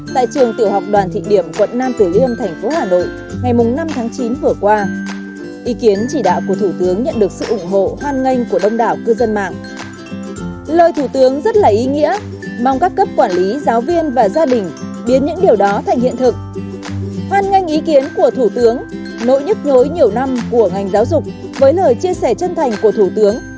trên ý kiến của thủ tướng nỗi nhức nhối nhiều năm của ngành giáo dục với lời chia sẻ chân thành của thủ tướng